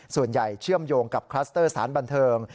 เชื่อมโยงกับคลัสเตอร์สารบันเทิง